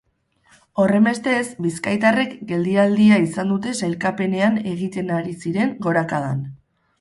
Horrenbestez, bizkaitarrek geldialdia izan dute sailkapenean egiten ari ziren gorakadan.